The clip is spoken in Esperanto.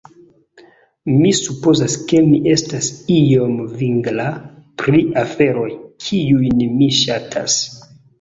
"... mi supozas ke mi estas iom vigla pri aferoj, kiujn mi ŝatas."